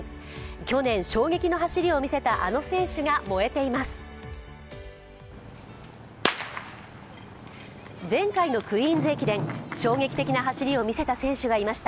去年衝撃の走りを見せたあの選手が燃えています。